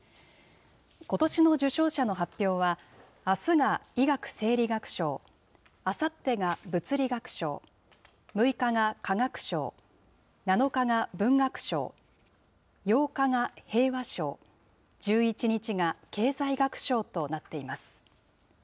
ことしの受賞者の発表は、あすが医学・生理学賞、あさってが物理学賞、６日が化学賞、７日が文学賞、８日が平和賞、１１日が経済学賞となっています。